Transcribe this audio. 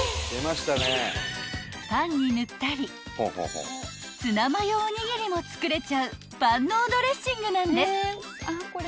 ［パンに塗ったりツナマヨおにぎりも作れちゃう万能ドレッシングなんです］